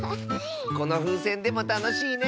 このふうせんでもたのしいね！